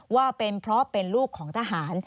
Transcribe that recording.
ว่าเป็นเพราะเป็นลูกของทหาร